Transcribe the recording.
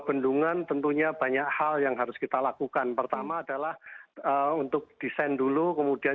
bendungan tentunya banyak hal yang harus kita lakukan pertama adalah untuk desain dulu kemudian